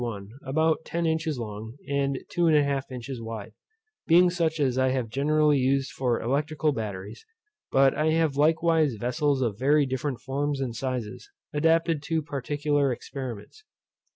1, about ten inches long, and 2 1/2 wide, being such as I have generally used for electrical batteries, but I have likewise vessels of very different forms and sizes, adapted to particular experiments.